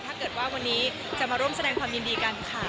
ถ้าเกิดว่าวันนี้จะมาร่วมแสดงความยินดีกันค่ะ